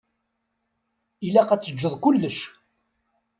Ilaq ad teǧǧeḍ kullec.